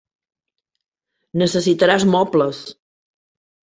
Necessitaràs mobles.